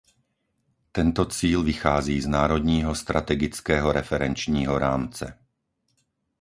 Tento cíl vychází z Národního strategického referenčního rámce.